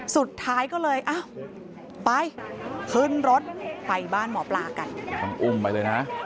สุดท้ายก็เลยไปขึ้นรถไปบ้านหมอปลากัน